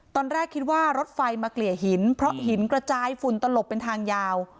ตอนแรกคิดว่ารถไฟมาเกลี่ยหินเพราะหินกระจายฝุ่นตลบเป็นทางยาว